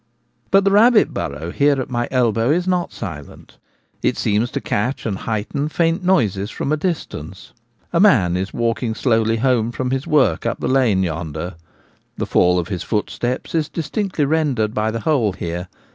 But the rabbit burrow here at my elbow is not silent ; it seems to catch and heighten faint noises from a distance. A man is walking slowly home from his work up the lane yonder ; the fall of his footsteps is distinctly rendered by the hole here.